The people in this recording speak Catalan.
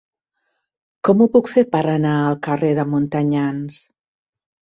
Com ho puc fer per anar al carrer de Montanyans?